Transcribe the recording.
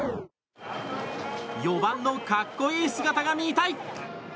４番の格好いい姿が見たい！